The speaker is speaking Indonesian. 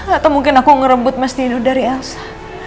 atau mungkin aku ngerebut mas nino dari elsa